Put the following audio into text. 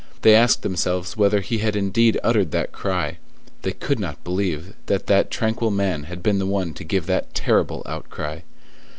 They asked themselves whether he had indeed uttered that cry; they could not believe that that tranquil man had been the one to give that terrible outcry.